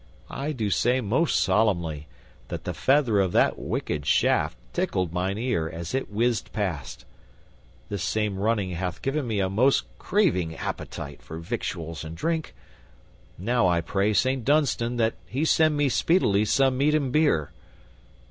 I do say most solemnly that the feather of that wicked shaft tickled mine ear as it whizzed past. This same running hath given me a most craving appetite for victuals and drink. Now I pray Saint Dunstan that he send me speedily some meat and beer."